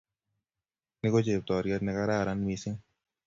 Ni ko cheptoriet ne kararan mising